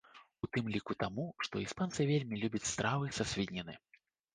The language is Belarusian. У тым ліку таму, што іспанцы вельмі любяць стравы са свініны.